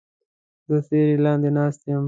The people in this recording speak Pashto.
زه سیوری لاندې ناست یم